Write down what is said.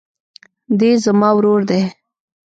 دی زما ورور دئ.